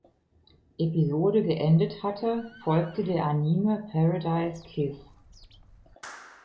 Episode geendet hatte, folgte der Anime "Paradise Kiss".